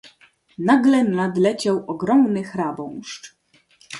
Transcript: "Nagle nadleciał ogromny chrabąszcz."